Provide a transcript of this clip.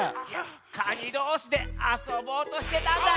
カニどうしであそぼうとしてたんだ！